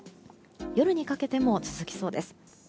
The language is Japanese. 夜にかけても続きそうです。